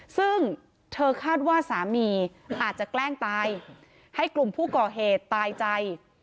ซึ่งเธอคาดว่าสามีอาจจะแกล้งตายให้กลุ่มผู้ก่อเหตุตายใจ